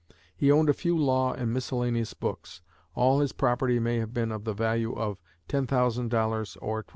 He owned a few law and miscellaneous books. All his property may have been of the value of $10,000 or $12,000."